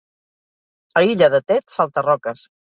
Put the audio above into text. A Illa de Tet, salta-roques.